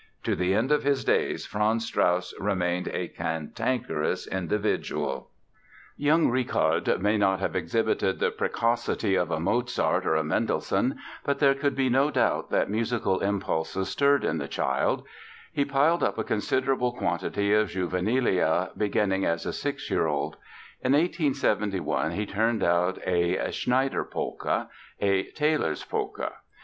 To the end of his days Franz Strauss remained a cantankerous individual. [Illustration: Birthplace of Richard Strauss in Munich] Young Richard may not have exhibited the precocity of a Mozart or a Mendelssohn but there could be no doubt that musical impulses stirred in the child. He piled up a considerable quantity of juvenilia, beginning as a six year old. In 1871 he turned out a "Schneiderpolka"—a "Tailor's Polka".